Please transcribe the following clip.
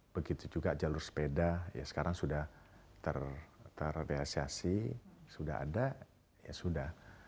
begitu juga jalur sepeda ya sekarang sudah terrealisasi sudah ada ya sudah